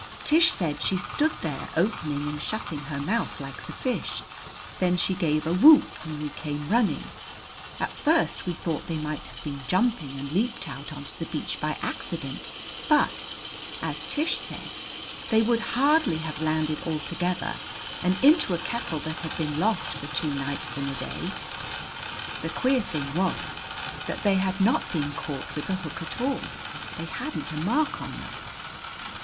Tish said she stood there, opening and shutting her mouth like the fish. Then she gave a whoop and we came running. At first we thought they might have been jumping and leaped out on to the beach by accident, but, as Tish said, they would hardly have landed all together and into a kettle that had been lost for two nights and a day. The queer thing was that they had not been caught with a hook at all. They hadn't a mark on them.